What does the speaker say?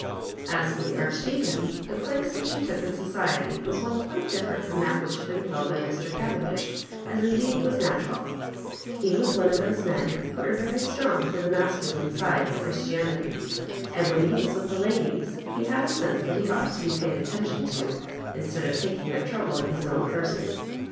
As for the Archdbacon, the place which he took in society was one quite different from tliat which had been filled by Mr. Cavendish, as, indeed, was natural He was one of Uiose men who are very strong for tho masculine side of Christianity; and when he was with the ladies, he had a sense that he ought to be paid atten tion to^ instead of taking that trouble in his own person.